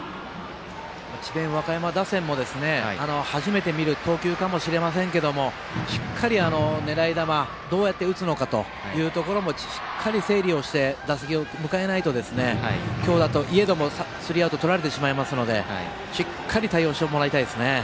智弁和歌山打線も初めて見る投球かもしれませんがしっかりと、狙い球どうやって打つのかも整理して打席を迎えないと強打といえどもスリーアウトをとられてしまいますのでしっかり対応してもらいたいです。